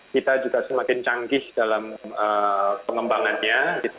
kita juga semakin canggih dalam pengembangannya